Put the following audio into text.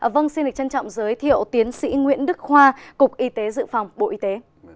vâng xin được trân trọng giới thiệu tiến sĩ nguyễn đức khoa cục y tế dự phòng bộ y tế